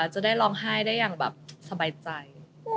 จะได้ร้องไห้ได้อย่างแบบสบายใจ